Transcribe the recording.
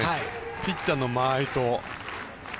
ピッチャーの間合いと。